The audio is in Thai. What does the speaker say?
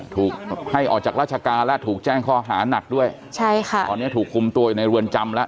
ถูกให้ออกจากราชการแล้วถูกแจ้งข้อหานักด้วยใช่ค่ะตอนนี้ถูกคุมตัวอยู่ในเรือนจำแล้ว